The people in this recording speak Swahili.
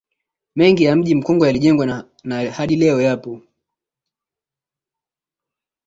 Mengi ya mji Mkongwe yalijengwa na hadi leo yapo